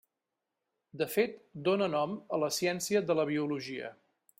De fet, dóna nom a la ciència de la biologia.